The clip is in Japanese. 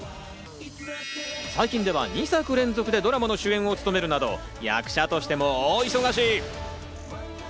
最近では２作連続でドラマの主演を務めるなど役者としても大忙し。